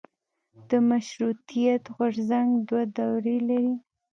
د مشروطیت غورځنګ دوه دورې لري.